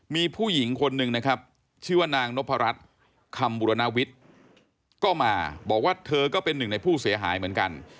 มีผู้หญิงคนหนึ่งนะครับชื่อว่านางนพรัชคำบุรณวิทย์ก็มาบอกว่าเธอก็เป็นหนึ่งในผู้เสียหายเหมือนกัน